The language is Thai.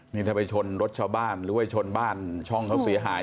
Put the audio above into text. นี่ถ้าไปชนรถชาวบ้านหรือว่าชนบ้านช่องเขาเสียหาย